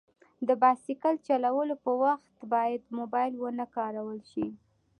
د بایسکل چلولو په وخت باید موبایل ونه کارول شي.